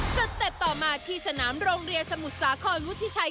สเต็ปต่อมาที่สนามโรงเรียนสมุทรสาครวุฒิชัย